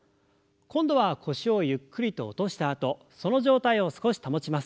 今度は腰をゆっくりと落としたあとその状態を少し保ちます。